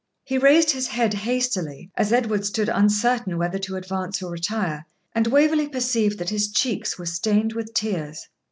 He raised his head hastily, as Edward stood uncertain whether to advance or retire, and Waverley perceived that his cheeks were stained with tears.